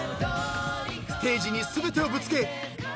［ステージに全てをぶつけ目指せ！